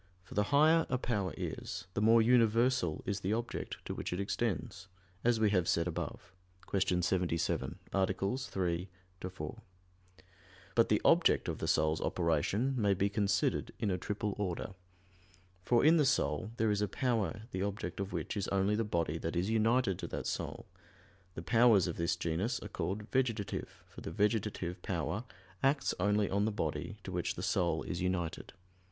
For the higher a power is, the more universal is the object to which it extends, as we have said above (Q. 77, A. 3, ad 4). But the object of the soul's operation may be considered in a triple order. For in the soul there is a power the object of which is only the body that is united to that soul; the powers of this genus are called "vegetative" for the vegetative power acts only on the body to which the soul is united.